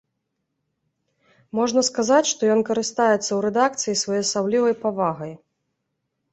Можна сказаць, што ён карыстаецца ў рэдакцыі своеасаблівай павагай.